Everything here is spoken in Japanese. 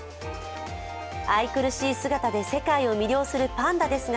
愛くるしい姿で世界を魅了するパンダですが、